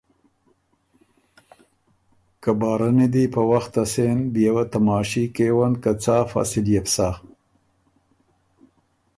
که بارني دی په وخته سېن بيې وه تماشي کېون که څا فصل يې بو سۀ؟